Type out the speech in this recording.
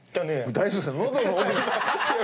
大丈夫ですか？